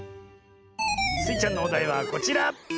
スイちゃんのおだいはこちら！